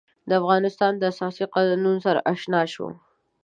د افغانستان د اساسي قانون سره آشنا شو.